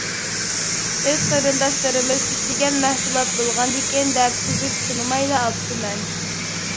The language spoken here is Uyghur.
ئۆز قېرىنداشلىرىمىز ئىشلىگەن مەھسۇلات بولغاندىكىن دەپ تۈزۈك سىنىمايلا ئاپتىمەن.